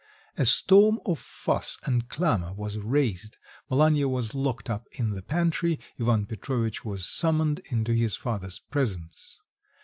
A storm of fuss and clamour was raised; Malanya was locked up in the pantry, Ivan Petrovitch was summoned into his father's presence.